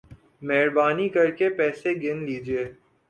مہربانی کر کے پیسے گن لیجئے